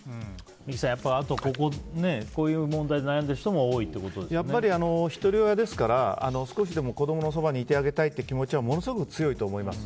三木さん、こういう問題で悩んでいる人もひとり親ですから少しでも子供のそばにいてあげたいという気持ちはものすごく強いと思います。